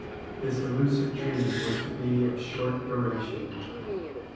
this illusive dream was to be of short duration.